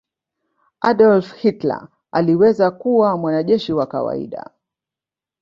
adolf hilter aliweza kuwa mwanajeshi wa kawaida